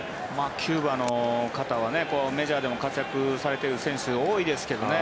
キューバの方はメジャーでも活躍されてる選手多いですけどね。